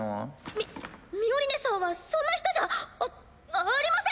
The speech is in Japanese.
ミミオリネさんはそんな人じゃあありません！